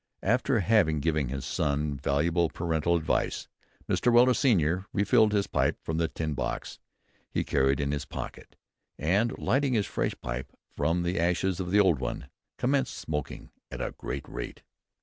After having given his son valuable parental advice, "Mr. Weller, senior, refilled his pipe from a tin box he carried in his pocket, and, lighting his fresh pipe from the ashes of the old one, commenced smoking at a great rate."